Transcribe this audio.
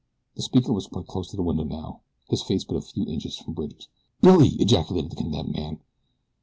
The speaker was quite close to the window now, his face but a few inches from Bridge's. "Billy!" ejaculated the condemned man.